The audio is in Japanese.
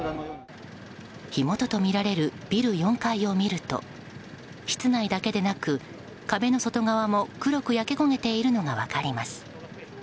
火元とみられるビル４階を見ると室内だけでなく壁の外側も黒く焼け焦げているのが分かります。